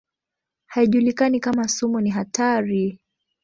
Haijulikani kama sumu ni hatari.